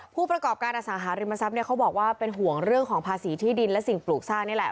ผู้ประกอบการอสังหาริมทรัพย์เขาบอกว่าเป็นห่วงเรื่องของภาษีที่ดินและสิ่งปลูกสร้างนี่แหละ